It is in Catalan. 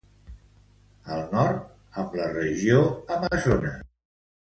Al nord, amb la Regió Amazones.